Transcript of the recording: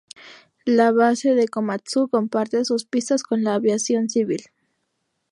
La Base de Komatsu comparte sus pistas con la aviación civil.